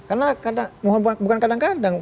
karena kadang bukan kadang kadang